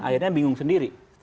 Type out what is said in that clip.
akhirnya bingung sendiri